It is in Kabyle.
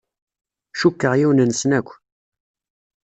Cukkeɣ yiwen-nsen akk.